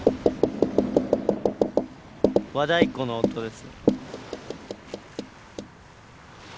和太鼓の音ですね。